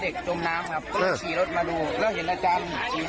เด็กจมน้ำครับเออฉี่รถมาดูแล้วเห็นอาจารย์ห้าคน